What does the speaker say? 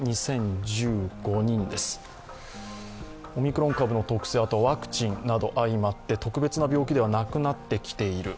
オミクロン株の特性ワクチンなど相まって特別な病気ではなくなってきている。